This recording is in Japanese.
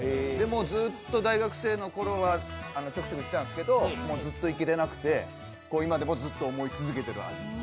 ずっと大学生のころはちょくちょく行ってたんですけどずっと行けてなくて今でもずっと思い続けている味。